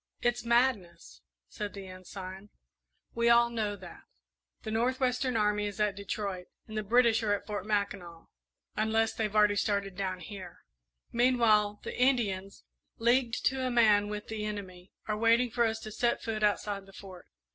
"It's madness," said the Ensign; "we all know that. The North western Army is at Detroit, and the British are at Fort Mackinac unless they've already started down here. Meanwhile, the Indians, leagued to a man with the enemy, are waiting for us to set foot outside the Fort.